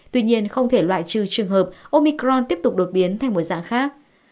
tuy nhiên không thể loại trừ trường hợp omicron tiếp tục đột biến thành một dạng khác